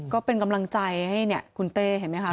ก็เป็นกำลังใจให้คุณเต้เห็นไหมคะ